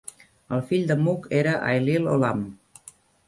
El fill de Mug era Ailill Ollamh.